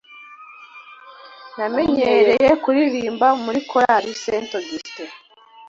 “Namenyeye kuririmba muri Korali Saint Augustin